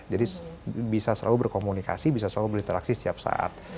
jadi bisa selalu berkomunikasi bisa selalu berinteraksi setiap saat